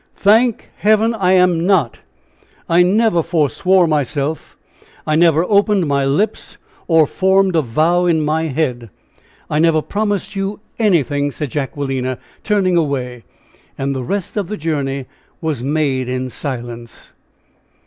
"Thank Heaven, I am not! I never foreswore myself. I never opened my lips, or formed a vow in my head. I never promised you anything," said Jacquelina, turning away; and the rest of the journey was made in silence.